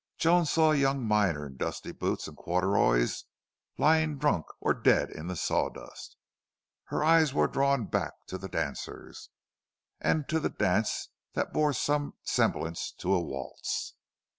Joan saw a young miner in dusty boots and corduroys lying drunk or dead in the sawdust. Her eyes were drawn back to the dancers, and to the dance that bore some semblance to a waltz.